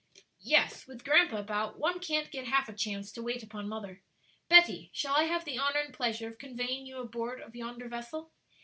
"Yes; with grandpa about one can't get half a chance to wait upon mother. Betty, shall I have the honor and pleasure of conveying you aboard of yonder vessel?"